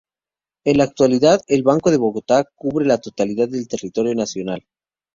En la actualidad, el Banco de Bogotá cubre la totalidad del territorio nacional.